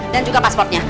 dan juga pasportnya